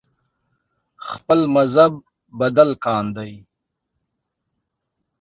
خپل مذهب بدل کاندي